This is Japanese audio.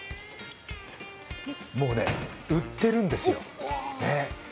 もうね、売ってるんですよ。